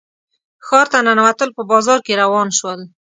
ښار ته ننوتل په بازار کې روان شول.